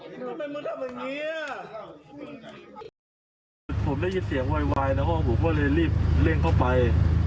ผมได้ยินเสียงวายวายในห้องผมก็เลยรีบเร่งเข้าไป